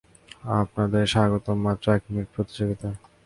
আপনাদের স্বাগতম মাত্র এক-মিনিট প্রতিযোগিতায়।